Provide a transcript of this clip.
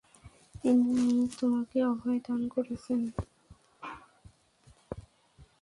তিনি তোমাকে অভয় দান করেছেন।